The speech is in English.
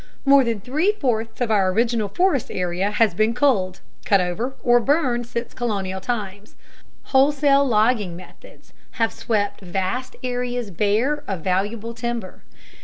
More than three fourths of our original forest area has been culled, cut over, or burned, since colonial times. Wholesale logging methods have swept vast areas bare of valuable timber.